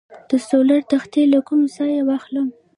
د سولر تختې له کوم ځای واخلم؟